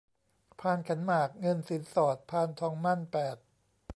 พานขันหมากเงินสินสอด พานทองหมั้น แปด